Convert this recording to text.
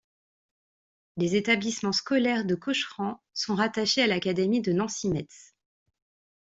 Les établissements scolaires de Cocheren sont rattachés à l'académie de Nancy-Metz.